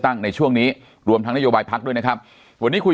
ในช่วงนี้รวมทั้งนโยบายพักด้วยนะครับวันนี้คุย